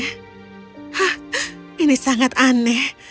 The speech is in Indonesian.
hah ini sangat aneh